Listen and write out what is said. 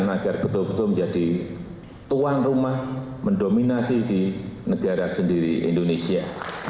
agar betul betul menjadi tuan rumah mendominasi di negara sendiri indonesia